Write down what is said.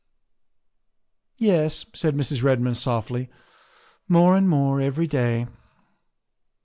" Yes," said Mrs. Redmond softly, " more and more every day."